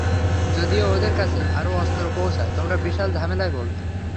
যদি ওদের কাছে আরও অস্ত্র পৌঁছায়, তোমরা বিশাল ঝামেলায় পড়বে।